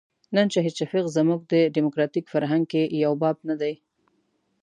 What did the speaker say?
نن شهید شفیق زموږ په ډیموکراتیک فرهنګ کې یو باب نه دی.